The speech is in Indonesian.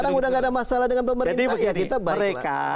sekarang udah nggak ada masalah dengan pemerintah ya kita baiklah